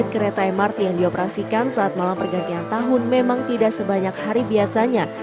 kereta mrt yang dioperasikan saat malam pergantian tahun memang tidak sebanyak hari biasanya